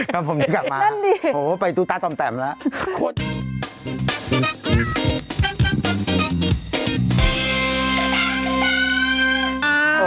กับผมนี้กลับมานั่นดีโหไปตูต๊าตอมแแต่มแล้วโอ้โฮ